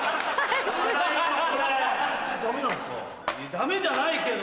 ダメじゃないけど。